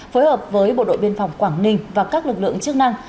phối hợp với bộ đội biên phòng quảng ninh và các lực lượng chức năng